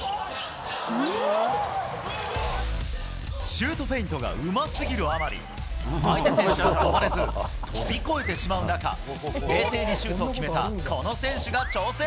シュートフェイントがうますぎるあまり、相手選手が止まれず、飛び越えてしまう中、冷静にシュートを決めたこの選手が挑戦。